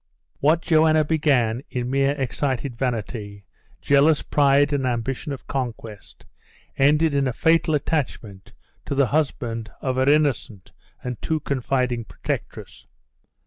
What Joanna began in mere excited vanity, jealous pride, and ambition of conquest, ended in a fatal attachment to the husband of her innocent and too confiding protectress.